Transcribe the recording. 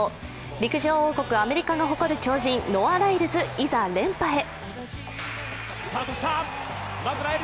陸上王国アメリカが誇る超人ノア・ライルズ、いざ連覇へ。